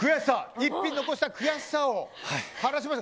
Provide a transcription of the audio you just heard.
１ピン残した悔しさを晴らしました。